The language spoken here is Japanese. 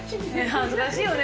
恥ずかしいよね。